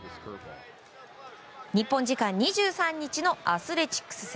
日本時間２３日のアスレチックス戦。